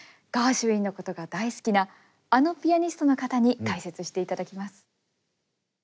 ガーシュウィンのことが大好きなあのピアニストの方に解説していただきます。